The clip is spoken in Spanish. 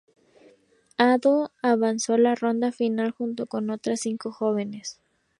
Oda avanzó a la ronda final junto con otras cinco jóvenes.